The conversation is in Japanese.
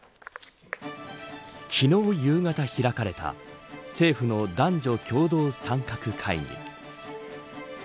昨日夕方開かれた政府の男女共同参画会議。